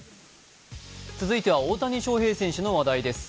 続いては大谷翔平選手の話題です。